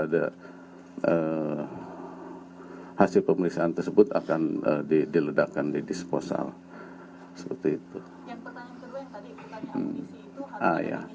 ada hasil pemeriksaan tersebut akan diledakkan di disposal seperti itu yang pertanyaan yang tadi